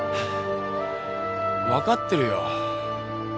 分かってるよ。